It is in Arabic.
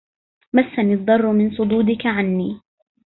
مسني الضر من صدودك عني